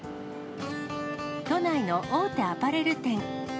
都内の大手アパレル店。